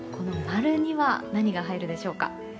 〇には何が入るでしょうか？